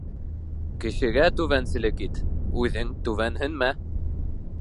Кешегә түбәнселек ит, үҙең түбәнһенмә.